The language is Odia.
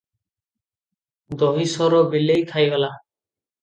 ଦହି ସର ବିଲେଇ ଖାଇଗଲା?